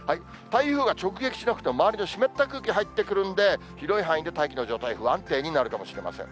台風が直撃しなくても、周りの湿った空気が入ってくるんで、広い範囲で大気の状態、不安定になるかもしれません。